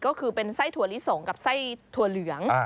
ก็คือเป็นไส้ถั่วลิสงกับไส้ถั่วเหลือง